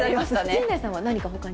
陣内さんは何かほかに。